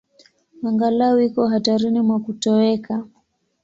Angalau iko hatarini mwa kutoweka.